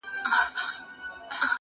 ويل واورئ دې ميدان لره راغلو؛